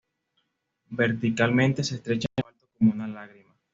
Verticalmente, se estrecha en lo alto como una lágrima.